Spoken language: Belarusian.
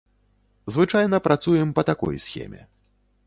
Звычайна працуем па такой схеме.